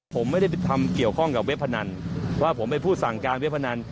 ผมไม่ได้ทำเกี่ยวข้องกับเว็บพนันว่าผมเป็นผู้สั่งการเว็บพนัน